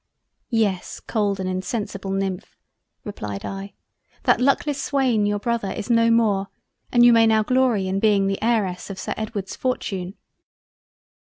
"Yes, cold and insensible Nymph, (replied I) that luckless swain your Brother, is no more, and you may now glory in being the Heiress of Sir Edward's fortune."